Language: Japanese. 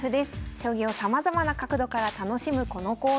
将棋をさまざまな角度から楽しむこのコーナー。